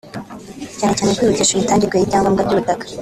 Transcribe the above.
cyane cyane kwihutisha imitangirwe y’ibyangombwa by’ubutaka